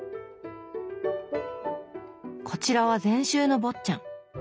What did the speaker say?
こちらは全集の「坊っちゃん」。